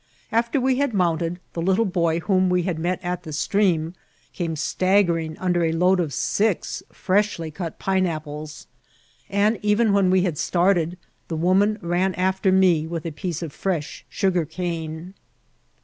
Aft^ we had mounted, the little boy whom we had met at the stream came sti^^gering under a load of six freshly cut pineapples ; and even when we had started, the w<Hnan ran after me with a piece of fresh sugarcane.